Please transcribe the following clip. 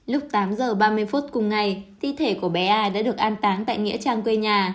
lúc tám giờ ba mươi phút cùng ngày thi thể của bé a đã được an táng tại nghĩa trang quê nhà